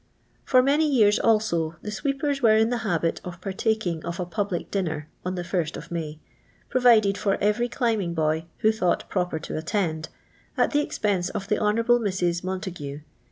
For many years, also, the sweepers were in the habit of partaking of a public dinner on the 1st j of May, provided for every climbing*boy who thought proper to attend, at the expense of the Hob. Mrs. Montign.